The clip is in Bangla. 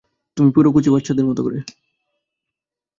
তুমি পুরো কচি বাচ্চাদের মতো করো।